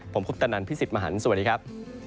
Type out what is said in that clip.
ผมคุปตะนันพี่สิทธิ์มหันฯสวัสดีครับ